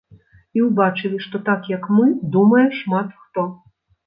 І ўбачылі, што так, як мы, думае шмат хто.